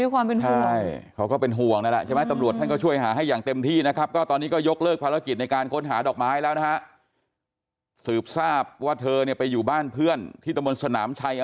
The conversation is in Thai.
เขาหนีตอนนี้อยากกลับไปคบกับเขาดีกว่าหรือยังไง